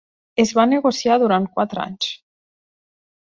Es va negociar durant quatre anys.